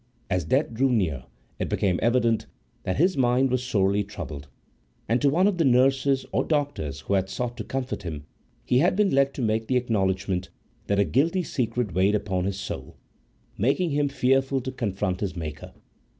As death drew near, it became evident that his mind was sorely troubled, and to one of the nurses or doctors who had sought to comfort him he had been led to make the acknowledgment that a guilty secret weighed upon his soul, making him fearful to confront his Maker.